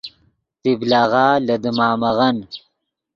طبلغہ لے دیمامغن